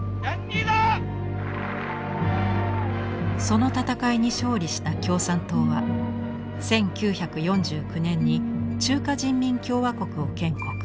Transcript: その戦いに勝利した共産党は１９４９年に中華人民共和国を建国。